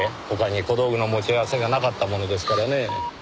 他に小道具の持ち合わせがなかったものですからねぇ。